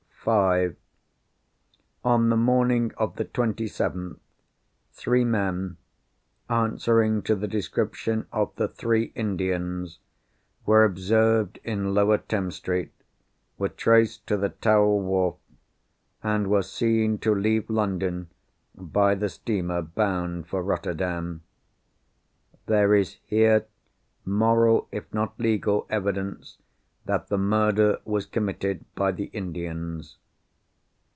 (5) On the morning of the 27th, three men, answering to the description of the three Indians, were observed in Lower Thames Street, were traced to the Tower Wharf, and were seen to leave London by the steamer bound for Rotterdam. There is here, moral, if not legal, evidence, that the murder was committed by the Indians.